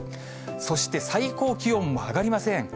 そして最高気温も上がりません。